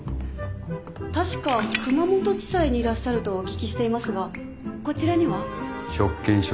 確か熊本地裁にいらっしゃるとお聞きしていますがこちらには？職権証拠調べで。